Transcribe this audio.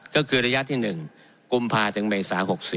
ก็คือระยะที่๑กุมภาถึงเมษา๖๔